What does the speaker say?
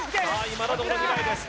今のところ２枚です